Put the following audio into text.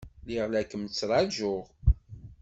Lliɣ la kem-ttṛajuɣ.